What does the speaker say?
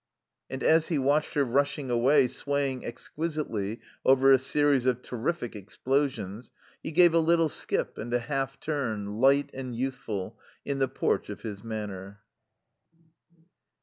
And as he watched her rushing away, swaying exquisitely over a series of terrific explosions, he gave a little skip and a half turn, light and youthful, in the porch of his Manor.